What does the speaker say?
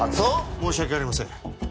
申し訳ありません。